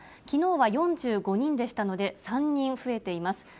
きのうは４５人でしたので、３人増えています。